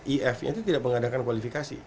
if nya itu tidak mengadakan kualifikasi